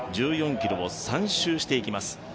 １４ｋｍを３周していきます。